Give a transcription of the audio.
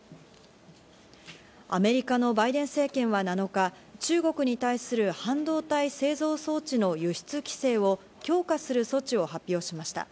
アメリカのバイデン政権は７日、中国に対する半導体製造装置の輸出規制を強化する措置を発表しました。